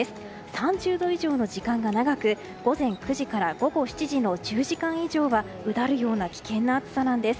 ３０度以上の時間が長く午前９時から午後７時の１０時間以上はうだるような危険な暑さです。